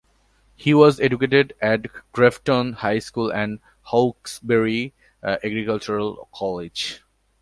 He was educated at Grafton High School and Hawkesbury Agricultural College.